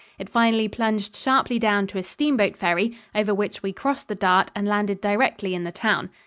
It finally plunged sharply down to a steamboat ferry, over which we crossed the Dart and landed directly in the town.